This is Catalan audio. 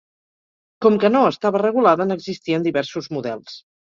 Com que no estava regulada n'existien diversos models.